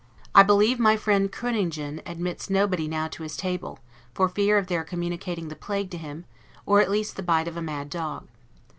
I believe my friend Kreuningen admits nobody now to his table, for fear of their communicating the plague to him, or at least the bite of a mad dog.